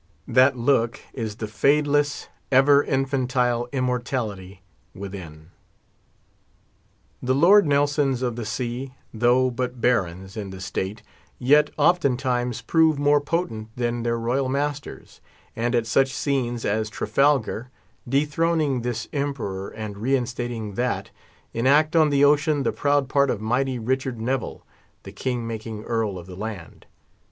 That look is the fadeless, ever infantile immortality within. The Lord Nelsons of the sea, though but Barons in the state, yet oftentimes prove more potent than their royal masters; and at such scenes as Trafalgar—dethroning this Emperor and reinstating that—enact on the ocean the proud part of mighty Richard Neville, the king making Earl of the land.